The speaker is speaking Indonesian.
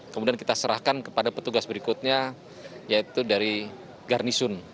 kemudian kita serahkan kepada petugas berikutnya yaitu dari garnisun